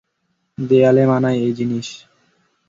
দেয়ালেই মানায় এই জিনিস।